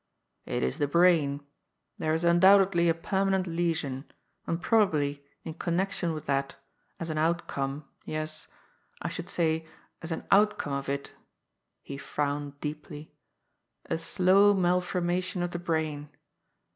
" It is the brain. There is undoubtedly a permanent lesion, and probably, in connection with that, as an outcome, yes, I should say, as an outcome of it "— ^he frowned deeply —" a slow malformation of the brain.